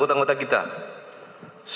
terhadap alam alam terhadap alam alam